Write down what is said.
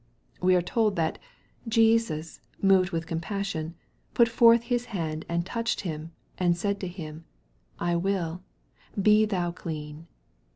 We are told that " Jesus, moved with compassion, put forth His hand and touched him, and said to him, I will, be thou clean."